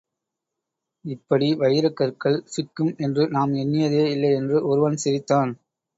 இப்படி வைரக் கற்கள் சிக்கும் என்று நாம் எண்ணியதே இல்லை என்று ஒருவன் சிரித்தான்.